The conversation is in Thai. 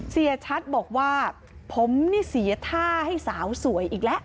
เสียชัดบอกว่าผมนี่เสียท่าให้สาวสวยอีกแล้ว